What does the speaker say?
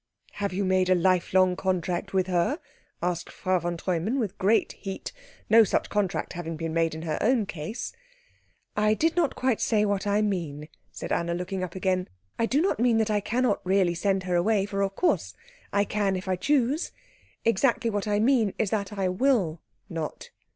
"Have you made a lifelong contract with her?" asked Frau von Treumann, with great heat, no such contract having been made in her own case. "I did not quite say what I mean," said Anna, looking up again. "I do not mean that I cannot really send her away, for of course I can if I choose. Exactly what I mean is that I will not."